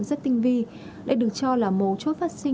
rất tinh vi đây được cho là mấu chốt phát sinh